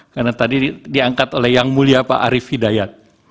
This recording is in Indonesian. karena tadi diangkat oleh yang mulia pak arief hidayat